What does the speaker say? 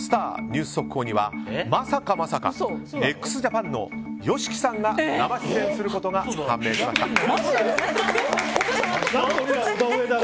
ニュース速報にはまさかまさか、ＸＪＡＰＡＮのＹＯＳＨＩＫＩさんが生出演することが判明しました。